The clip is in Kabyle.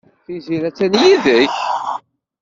Tiziri attan yid-k?